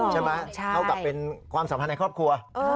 เท่ากับเป็นความสัมพันธ์ในครอบครัว